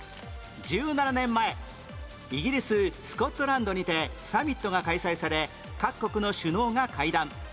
１７年前イギリススコットランドにてサミットが開催され各国の首脳が会談